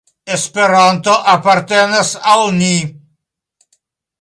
Esperanto apartenas al ni.